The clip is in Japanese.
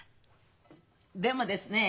でもですねえ